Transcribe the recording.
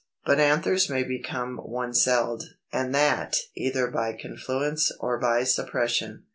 But anthers may become one celled, and that either by confluence or by suppression.